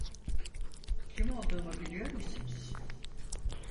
Kim olduğumu biliyor musunuz?